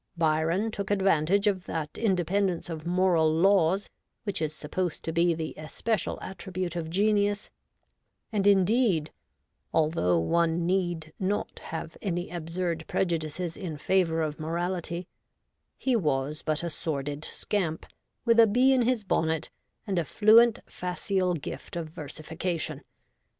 Byron took advantage of that inde pendence of moral laws which is supposed to be the •especial attribute of genius — and indeed (although ■one need not have any absurd prejudices in favour of morality) he was but a sordid scamp, with a bee in his bonnet and a fluent facile gift of versification.